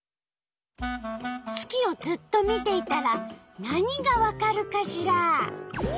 月をずっと見ていたら何がわかるかしら？